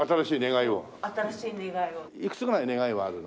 いくつぐらい願いはあるの？